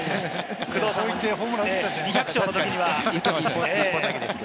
そう言ってホームラン打ってたじゃないですか。